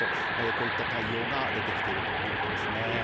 こういった対応が出てきているということです。